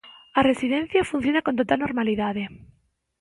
A residencia funciona con total normalidade.